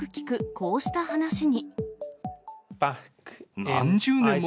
こうした話に。